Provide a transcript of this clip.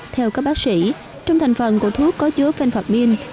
theo các bác sĩ trong thành phần của thuốc có chứa penformin